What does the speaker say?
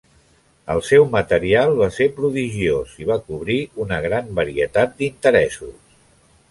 El seu material va ser prodigiós i va cobrir una gran varietat d'interessos.